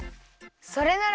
それなら。